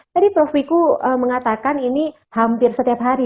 tadi prof wiku mengatakan ini hampir setiap hari